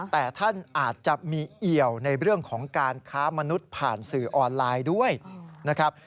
แต่ท่านอาจจะมีเอี่ยวในเรื่องของการค้ามนุษย์ผ่านสื่อออนไลน์ด้วยนะครับ